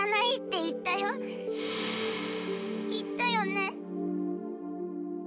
言ったよね？